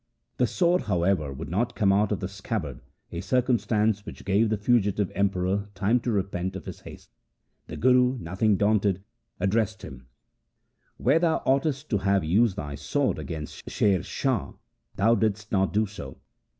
The sword, however, would not come out of the scabbard, a circumstance which gave the fugitive Emperor time to repent of his haste. The Guru, nothing daunted, addressed c 2 20 THE SIKH RELIGION him :' When thou oughtest to have used thy sword against Sher Shah, thou didst not do so.